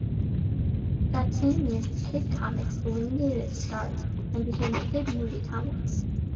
That same year, "Kid Komics" eliminated its stars and became "Kid Movie Comics".